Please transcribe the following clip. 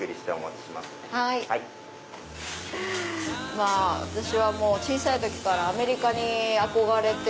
まぁ私は小さい時からアメリカに憧れて。